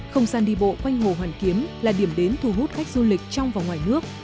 không gian đi bộ quanh hồ hoàn kiếm là điểm đến thu hút khách du lịch trong và ngoài nước